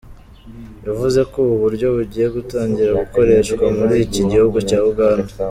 Yavuze ko ubu buryo bugiye gutangira gukoreshwa muri iki gihugu cya Uganda.